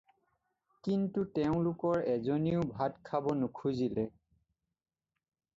কিন্তু তেওঁলোকৰ এজনেও ভাত খাব নুখুজিলে।